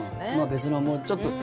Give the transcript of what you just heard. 別の、もうちょっと。